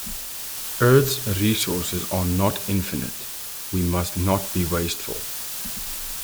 Earths resources are not infinite, we must not be wasteful.